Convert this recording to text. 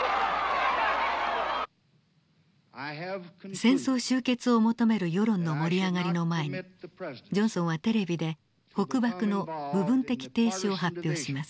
戦争終結を求める世論の盛り上がりの前にジョンソンはテレビで北爆の部分的停止を発表します。